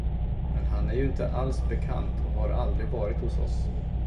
Men han är ju inte alls bekant och har aldrig varit hos oss.